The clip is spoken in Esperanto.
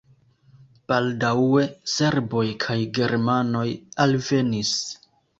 Baldaŭe serboj kaj germanoj alvenis.